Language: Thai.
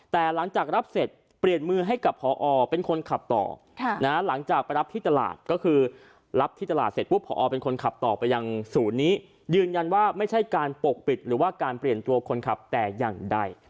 แต่หลังจากรับเสร็จเปลี่ยนมือให้กับพอเป็นคนขับต่อหลังจากไปรับที่ตลาดก็คือรับที่ตลาดเสร็จปุ๊บพอเป็นคนขับต่อไปยังศูนย์นี้ยืนยันว่าไม่ใช่การปกปิดหรือว่าการเปลี่ยนตัวคนขับแต่อย่างใด